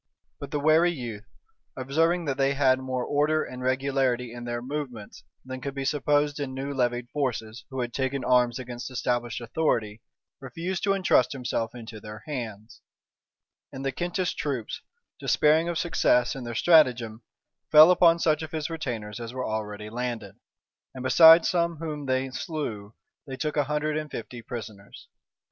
But the wary youth, observing that they had more order and regularity in their movements than could be supposed in new levied forces who had taken arms against established authority, refused to intrust himself into their hands; and the Kentish troops, despairing of success in their stratagem, fell upon such of his retainers as were already landed; and besides some whom they slew, they took a hundred and fifty prisoners.